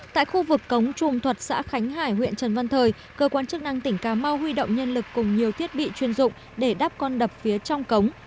tại khu vực cống trung thuật xã khánh hải huyện trần văn thời cơ quan chức năng tỉnh cà mau huy động nhân lực cùng nhiều thiết bị chuyên dụng để đáp con đập phía trong cống